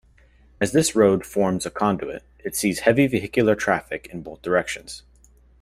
As this road forms a conduit, it sees heavy vehicular traffic in both directions.